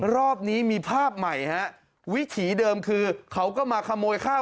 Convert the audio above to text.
รอบนี้มีภาพใหม่ฮะวิถีเดิมคือเขาก็มาขโมยข้าว